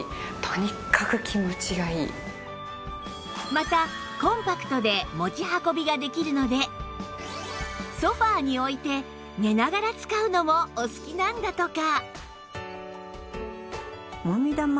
またコンパクトで持ち運びができるのでソファに置いて寝ながら使うのもお好きなんだとか